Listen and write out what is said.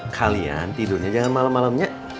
kalian tidurnya jangan malem malemnya